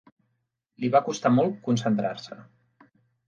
Li va costar molt concentrar-se.